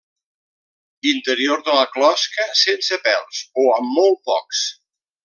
Interior de la closca sense pèls o amb molt pocs.